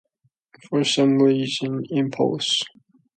For some reason, Impulse!